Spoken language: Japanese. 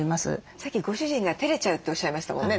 さっきご主人がてれちゃうっておっしゃいましたもんね。